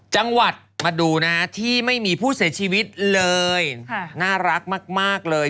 จังหวัดมาดูนะฮะที่ไม่มีผู้เสียชีวิตเลยน่ารักมากเลย